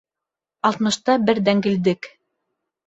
Алтмышта бер дәңгелдек.